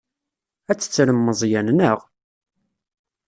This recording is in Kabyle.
Ad tettrem Meẓyan, naɣ?